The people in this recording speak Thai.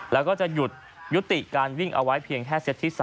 แล้วก็จะหยุดยุติการวิ่งเอาไว้เพียงแค่เซตที่๓